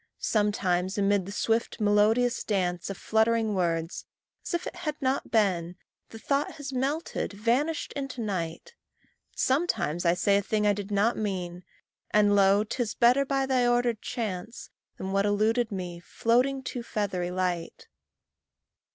Sometimes amid the swift melodious dance Of fluttering words as if it had not been, The thought has melted, vanished into night; Sometimes I say a thing I did not mean, And lo! 'tis better, by thy ordered chance, Than what eluded me, floating too feathery light.